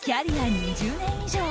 ２０年以上！